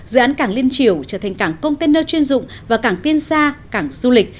dự án cảng liên triều trở thành cảng container chuyên dụng và cảng tiên sa cảng du lịch